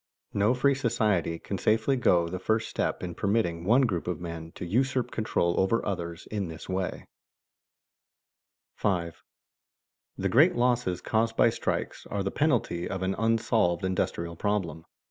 No free society can safely go the first step in permitting one group of men to usurp control over others in this way. [Sidenote: Costliness of strikes] 5. _The great losses caused by strikes are the penalty of an unsolved industrial problem.